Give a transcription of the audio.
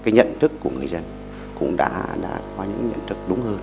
cái nhận thức của người dân cũng đã có những nhận thức đúng hơn